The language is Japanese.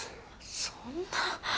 そんな。